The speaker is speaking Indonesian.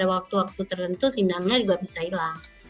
kalau waktu waktu tertentu sinyalnya juga bisa hilang